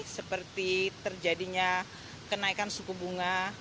seperti terjadinya kenaikan suku bunga